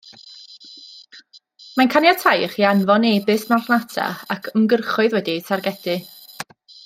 Mae'n caniatáu i chi anfon e-byst marchnata ac ymgyrchoedd wedi'u targedu